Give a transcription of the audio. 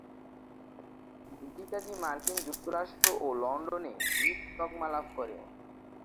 দুটি কাজই মার্কিন যুক্তরাষ্ট্র ও লন্ডনে হিট তকমা লাভ করে।